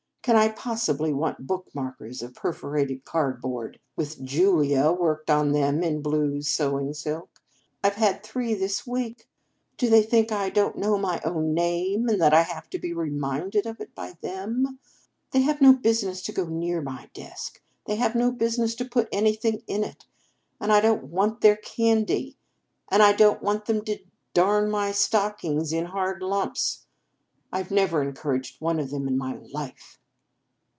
Can I possibly want book markers of per forated cardboard, with Julia worked on them in blue sewing silk? I ve had three this week. Do they think I don t know my own name, and that I have to be reminded of it by them ? They have no business to go near my desk. They have no business to put anything in it. And I don t want their candy. And I don t want them to 252 The Game of Love darn my stockings in hard lumps. I Ve never encouraged one of them in my life."